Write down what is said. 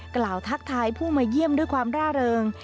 ทักทายผู้มาเยี่ยมด้วยความร่าเริง